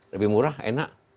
lebih murah enak